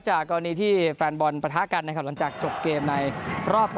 จากกรณีที่แฟนบอลประท้ากันนะครับ